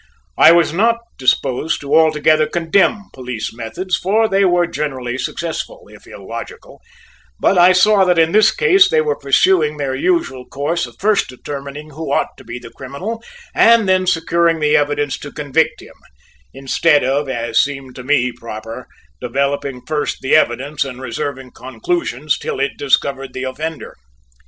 I was not disposed to altogether condemn police methods, for they were generally successful, if illogical, but I saw that in this case they were pursuing their usual course of first determining who ought to be the criminal and then securing the evidence to convict him; instead of, as seemed to me proper, developing first the evidence and reserving conclusions till it discovered the offender.